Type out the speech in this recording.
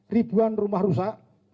ribuan rumah rusak